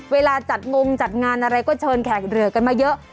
เวลาจัดงงจัดงานอะไรก็เชิญแขกเรือกันมาเยอะ